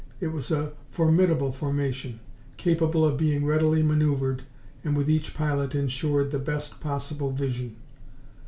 It was a formidable formation, capable of being readily manoeuvered and with each pilot insured the best possible vision.